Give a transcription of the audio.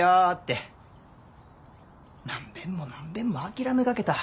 何べんも何べんも諦めかけた。